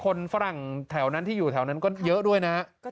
ฝรั่งแถวนั้นที่อยู่แถวนั้นก็เยอะด้วยนะครับ